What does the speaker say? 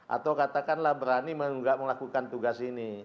atau katakanlah berani melakukan tugas ini